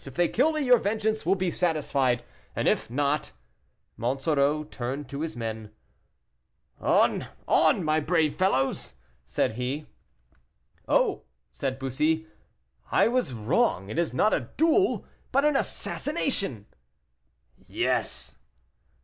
If they kill me, your vengeance will be satisfied, and if not " Monsoreau turned to his men. "On, my brave fellows," said he. "Oh!" said Bussy, "I was wrong; it is not a duel, but an assassination." "Yes."